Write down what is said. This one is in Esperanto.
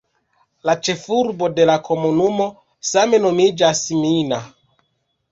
La ĉefurbo de la komunumo same nomiĝas "Mina".